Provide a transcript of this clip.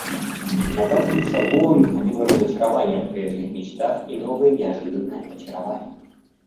На каждом шагу он находил разочарование в прежних мечтах и новое неожиданное очарование.